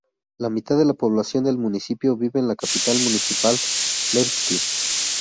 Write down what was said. La mitad de la población del municipio vive en la capital municipal Levski.